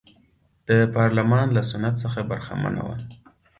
د پارلمان له سنت څخه برخمنه وه.